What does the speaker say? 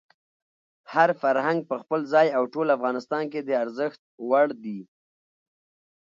هر فرهنګ په خپل ځای او ټول افغانستان کې د ارزښت وړ دی.